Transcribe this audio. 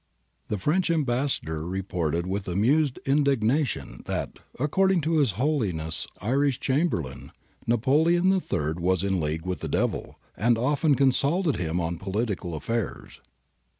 The French Ambassador reported with amused indignation that, according to His Holiness' Irish Chamberlain, Na poleon HI was in league with the Devil and often con sulted Him on political affairs.'